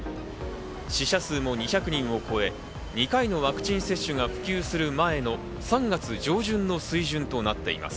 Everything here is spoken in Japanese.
死者数も２００人を超え、２回のワクチン接種が普及する前の３月上旬の水準となっています。